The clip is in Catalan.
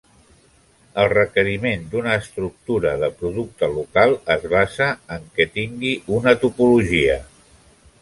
El requeriment d'una estructura de producte local es basa en què tingui una topologia.